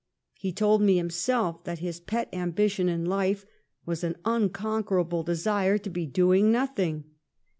He told me himself that his pet ambition in life was an unconquer able desire to be doing nothing.